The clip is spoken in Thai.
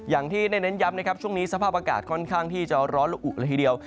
อย่างที่ได้เน้นย้ำนะครับช่วงนี้สภาพอากาศค่อนข้างที่จะร้อนละอุเลยทีเดียว